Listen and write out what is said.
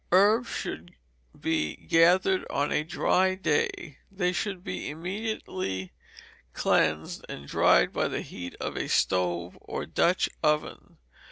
Herbs should be gathered on a dry day; they should be immediately well cleansed, and dried by the heat of a stove or Dutch oven.